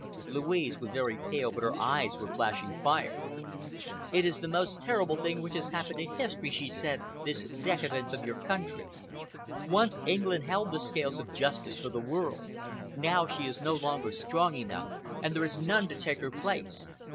Louise was very pale but her eyes were flashing fire. "It is the most terrible thing which has happened in history," she said, "this decadence of your country. Once England held the scales of justice for the world. Now she is no longer strong enough, and there is none to take her place.